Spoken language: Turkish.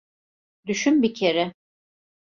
Düşün bir kere.